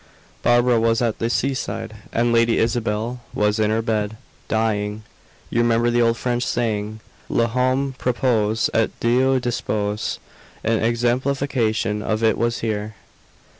Barbara was at the seaside, and Lady Isabel was in her bed, dying. You remember the old French saying, L'homme propose, et Dieu dispose. An exemplification of it was here.